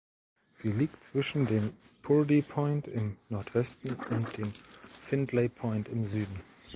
Sie liegt zwischen dem Purdy Point im Nordwesten und dem Findlay Point im Süden.